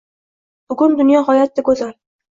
Bugun dunyo g’oyatda go’zal